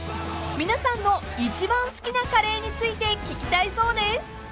［皆さんの一番好きなカレーについて聞きたいそうです］